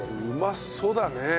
うまそうだね！